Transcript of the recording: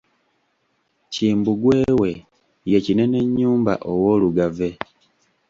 Kimbugwe we ye Kinenennyumba ow'Olugave.